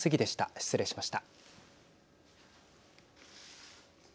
失礼しました。